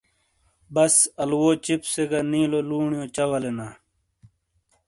بس آلوؤو چپسے گہ نیلو لونیو چہ والینا ۔